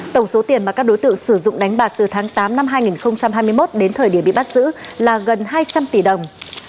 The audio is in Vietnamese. tổng số tiền mà các đối tượng sử dụng đánh bạc từ tháng tám năm hai nghìn hai mươi một đến thời điểm bị bắt giữ là gần hai trăm linh tỷ đồng